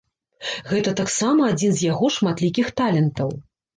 Гэта таксама адзін з яго шматлікіх талентаў.